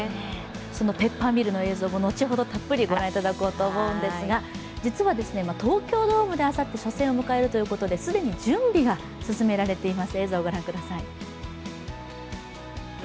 そのペッパーミルの映像も後ほどたっぷりご覧いただこうと思うんですが実は東京ドームであさって初戦を迎えるということで既に準備が進められています。